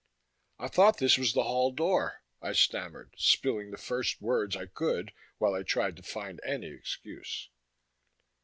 "I thought this was the hall door," I stammered, spilling the first words I could while I tried to find any excuse....